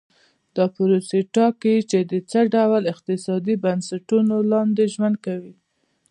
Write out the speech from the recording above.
دا پروسې ټاکي چې د څه ډول اقتصادي بنسټونو لاندې ژوند کوي.